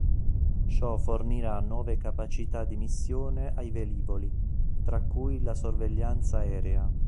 Ciò fornirà nuove capacità di missione ai velivoli, tra cui la sorveglianza aerea.